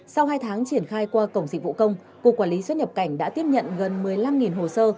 sau hai tháng triển khai qua cổng dịch vụ công cục quản lý xuất nhập cảnh đã tiếp nhận gần một mươi năm hồ sơ